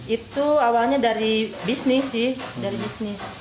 itu awalnya dari bisnis sih dari bisnis